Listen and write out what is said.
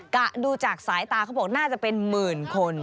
ดูจากสายตาเขาบอกน่าจะเป็นหมื่นคน